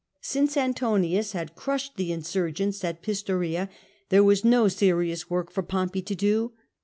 Since Antonins had crushed the insurgents at Pistoiia, there was no serious work for Pompey to do.